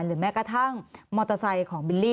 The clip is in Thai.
แม้กระทั่งมอเตอร์ไซค์ของบิลลี่